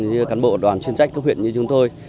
như cán bộ đoàn chuyên trách cấp huyện như chúng tôi